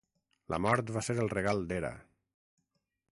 La mort va ser el regal d'Hera.